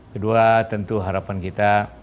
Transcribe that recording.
kedua tentu harapan kita